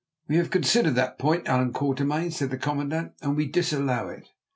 "We have considered that point, Allan Quatermain," said the commandant, "and we disallow it.